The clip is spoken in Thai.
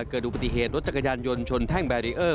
เกิดอุบัติเหตุรถจักรยานยนต์ชนแท่งแบรีเออร์